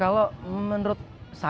hal semua mengawasi